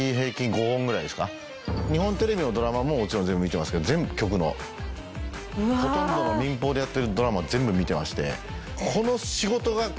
日本テレビのドラマももちろん全部見てますけど全局のほとんどの民放でやってるドラマ全部見てまして。